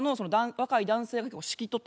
若い男性が？